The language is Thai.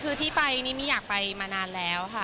คือที่ไปนี่มี่อยากไปมานานแล้วค่ะ